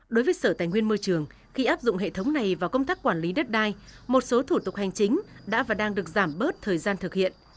đối với sở tài nguyên môi trường khi áp dụng hệ thống này vào công tác quản lý đất đai một số thủ tục hành chính đã và đang được giảm bớt thời gian thực hiện